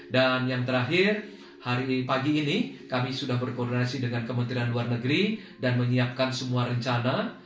dan yang terakhir hari pagi ini kami sudah berkoordinasi dengan kementerian luar negeri dan menyiapkan semua rencana